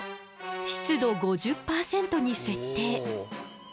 湿度５０％に設定。